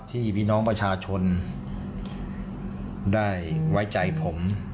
พี่น้องประชาชนได้ไว้ใจผม